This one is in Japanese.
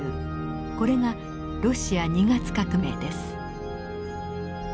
これがロシア二月革命です。